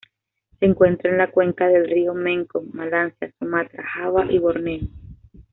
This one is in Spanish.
Se encuentra en la cuenca del río Mekong, Malasia, Sumatra, Java y Borneo.